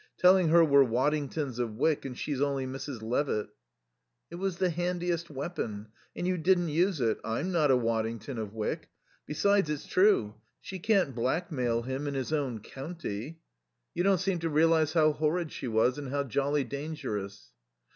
Telling her we're Waddingtons of Wyck and she's only Mrs. Levitt." "It was the handiest weapon. And you didn't use it. I'm not a Waddington of Wyck. Besides, it's true; she can't blackmail him in his own county. You don't seem to realize how horrid she was, and how jolly dangerous."